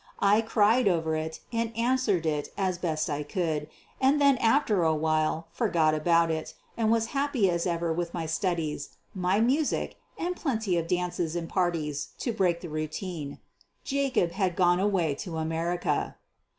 I cried over it and answered it as best I could, and then after a while forgot about it and was happy as ever with my studies, my music, and plenty of dances and parties to break the routine. Jacob had gone away to America.